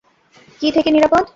কী থেকে নিরাপদ?